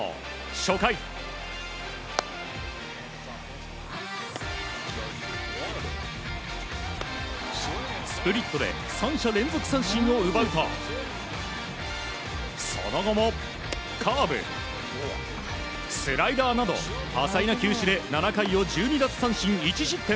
初回、スプリットで三者連続三振を奪うとその後もカーブ、スライダーなど多彩な球種で７回を１２奪三振１失点。